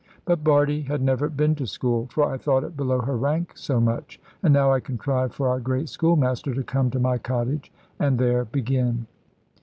But Bardie had never been to school; for I thought it below her rank so much; and now I contrived for our great schoolmaster to come to my cottage, and there begin.